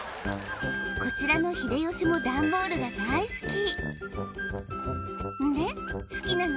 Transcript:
こちらの秀吉もダンボールが大好き